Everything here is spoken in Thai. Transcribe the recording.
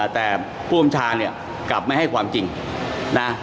แต่ผู้อำชาเนี่ยกลับไม่ให้ความจริงนะ